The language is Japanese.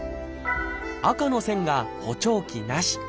赤の線が補聴器なし